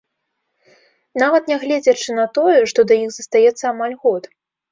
Нават нягледзячы на тое, што да іх застаецца амаль год.